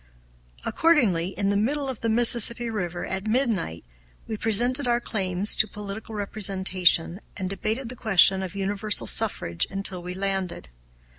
Accordingly, in the middle of the Mississippi River, at midnight, we presented our claims to political representation, and debated the question of universal suffrage until we landed.